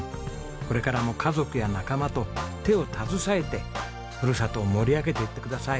これからも家族や仲間と手を携えて古里を盛り上げていってください。